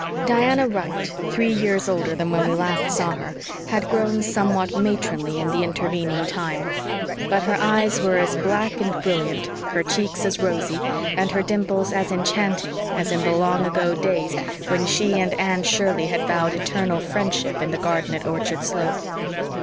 Diana Wright, three years older than when we last saw her, had grown somewhat matronly in the intervening time. But her eyes were as black and brilliant, her cheeks as rosy, and her dimples as enchanting, as in the long ago days when she and Anne Shirley had vowed eternal friendship in the garden at Orchard Slope.